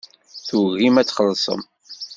Tugim ad txellṣem.